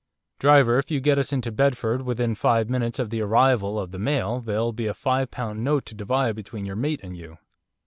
'Driver, if you get us into Bedford within five minutes of the arrival of the mail there'll be a five pound note to divide between your mate and you.